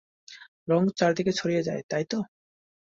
রং চারদিকে ছড়িয়ে যায়, তাই তো?